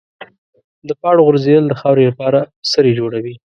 د پاڼو غورځېدل د خاورې لپاره سرې جوړوي.